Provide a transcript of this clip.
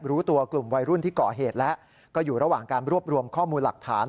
รู้ตัวกลุ่มวัยรุ่นที่ก่อเหตุแล้วก็อยู่ระหว่างการรวบรวมข้อมูลหลักฐาน